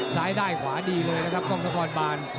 ซ้ายได้ขวาดีเลยนะครับกรรมกรบาล